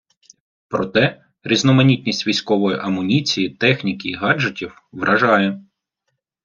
Проте різноманітність військової амуніції, техніки і гаджетів вражає.